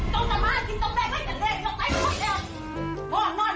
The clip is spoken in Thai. ต้องวาต้องกินต้องแบบนั้นแค่เดี๋ยวไปเลย